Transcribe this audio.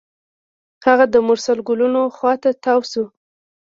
هغه د مرسل ګلونو خوا ته تاوه شوه.